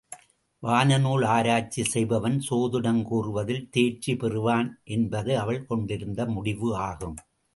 வானநூல் ஆராய்ச்சி செய்பவன் சோதிடம் கூறுவதில் தேர்ச்சி பெறுவான் என்பது அவள் கொண்டிருந்த முடிவு ஆகும்.